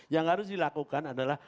yang harus dilakukan adalah